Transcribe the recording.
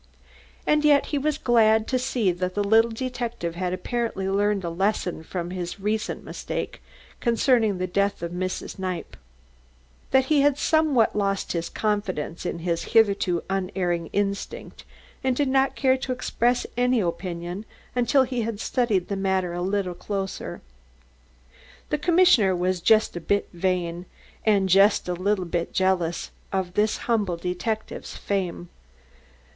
And yet he was glad to see that the little detective had apparently learned a lesson from his recent mistake concerning the death of Mrs. Kniepp that he had somewhat lost confidence in his hitherto unerring instinct, and did not care to express any opinion until he had studied the matter a little closer. The commissioner was just a little bit vain, and just a little bit jealous of this humble detective's fame.